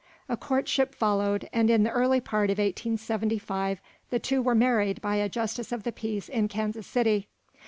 A courtship followed, and in the early part of 1875 the two were married by a justice of the peace in Kansas City.